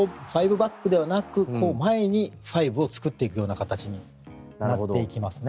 バックではなく前に５を作っていくような形になっていきますね。